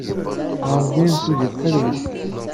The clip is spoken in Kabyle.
Ɣret-d i yimsujji, ttxil-wen.